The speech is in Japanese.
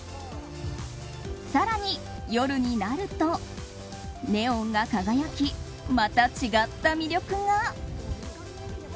更に夜になると、ネオンが輝きまた違った魅力が。